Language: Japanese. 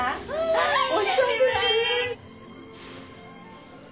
あーお久しぶり。